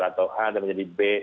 atau a dan menjadi b